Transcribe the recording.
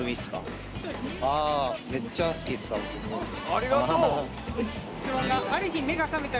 「ありがとう！」